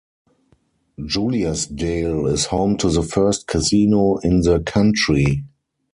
Juliasdale is home to the first casino in the country.